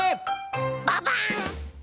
ババン！